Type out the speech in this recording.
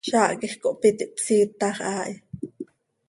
Zaah quij cohpít, ihpsiitax haa hi.